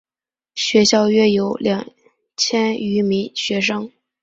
学校约有两千余名学生。